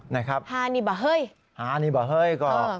นะครับฮานิบะเฮ้ยฮานิบะเฮ้ยก็